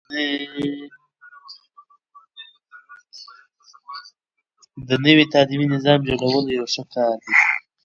د نوي تعليمي نظام جوړول يو ښه کار دی.